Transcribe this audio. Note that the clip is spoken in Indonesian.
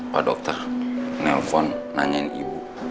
pak dokter nelpon nanyain ibu